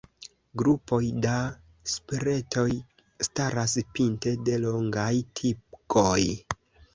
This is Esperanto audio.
Grupoj da spiketoj staras pinte de longaj tigoj.